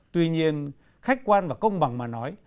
tuy nhiên khách quan và công bằng mà nói